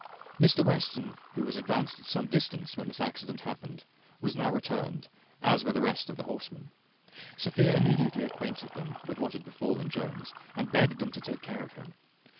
Mr Western, who was advanced at some distance when this accident happened, was now returned, as were the rest of the horsemen. Sophia immediately acquainted them with what had befallen Jones, and begged them to take care of him.